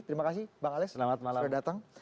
terima kasih bang alex selamat malam